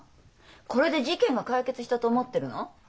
これで事件が解決したと思ってるの？